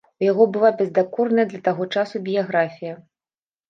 У яго была бездакорная для таго часу біяграфія.